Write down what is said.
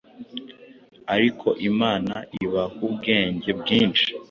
Ariko Imana Ibahubwenge bwinshi